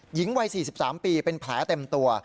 หญิงวัย๔๓ปีเป็นแผลเต็มตัว